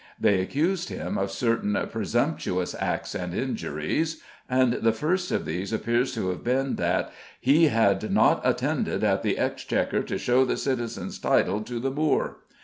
They accused him of certain "presumptuous acts and injuries," and the first of these appears to have been that "He had not attended at the Exchequer to show the citizens' title to the Moor."